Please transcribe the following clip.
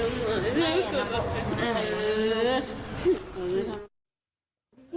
อืม